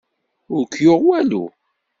Ur k-yuɣ walu?